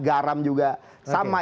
garam juga sama